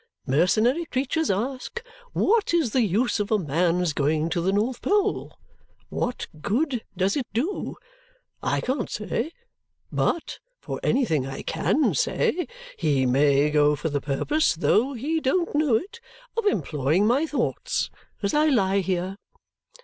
Mercenary creatures ask, 'What is the use of a man's going to the North Pole? What good does it do?' I can't say; but, for anything I CAN say, he may go for the purpose though he don't know it of employing my thoughts as I lie here.